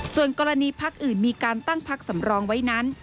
ส่วนกรณีพักอื่นมีการตั้งพักสำรองไว้นั้น